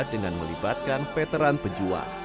dengan melibatkan veteran pejuang